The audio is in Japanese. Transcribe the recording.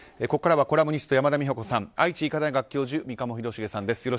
ここからはコラムニスト山田美保子さん愛知医科大学教授三鴨廣繁さんです。